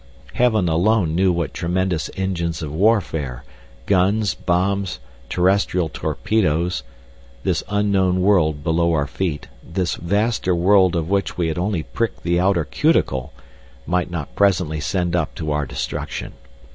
Heaven alone knew what tremendous engines of warfare—guns, bombs, terrestrial torpedoes—this unknown world below our feet, this vaster world of which we had only pricked the outer cuticle, might not presently send up to our destruction.